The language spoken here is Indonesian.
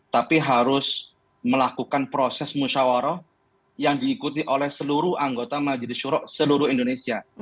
tapi harus melakukan proses musyawarah yang diikuti oleh seluruh anggota majelis syurok seluruh indonesia